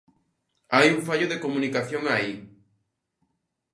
Hai un fallo de comunicación aí.